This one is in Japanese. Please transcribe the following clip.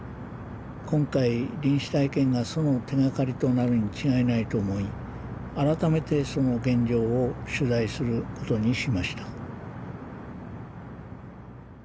今回臨死体験がその手がかりとなるに違いないと思い改めてその現状を取材する事にしました